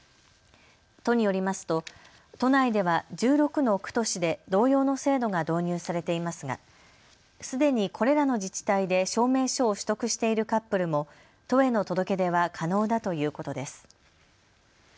都によりますと都内では１６の区と市で同様の制度が導入されていますがすでにこれらの自治体で証明書を取得しているカップルも都への届け出は可能だということです。